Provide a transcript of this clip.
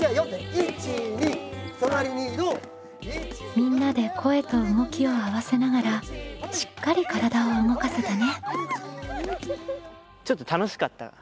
みんなで声と動きを合わせながらしっかり体を動かせたね。